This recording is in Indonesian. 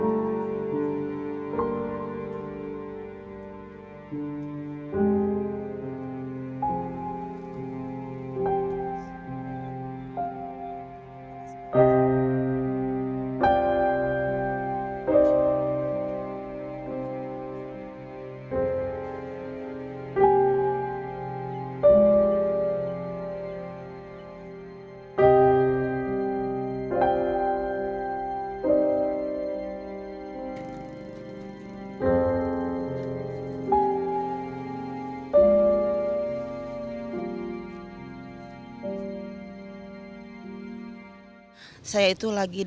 alhamdulillah ya allah